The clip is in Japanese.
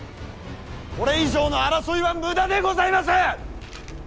これ以上の争いは無駄でございます！